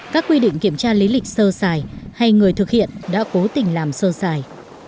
các quy định kiểm tra lý lịch sơ xài hay người thực hiện đã cố tình làm sơ xài